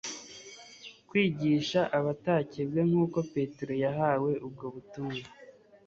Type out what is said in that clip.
kwigisha abatakebwe, nk'uko petero yahawe ubwo butumwa